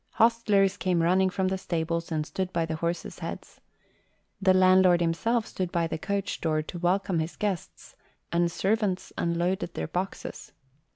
Hostlers came running from the stables and stood by the horses' heads. The landlord himself stood by the coach door to welcome his guests and servants unloaded their boxes.